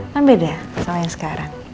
kan beda masalah yang sekarang